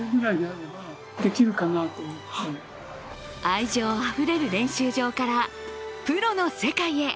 愛情あふれる練習場からプロの世界へ。